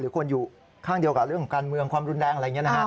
หรือคนอยู่ข้างเดียวกับเรื่องการเมืองความรุนแรง